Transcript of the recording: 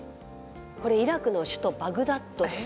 これイラクの首都バグダッドです。